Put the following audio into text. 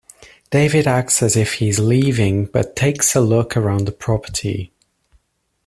David acts as if he is leaving but takes a look around the property.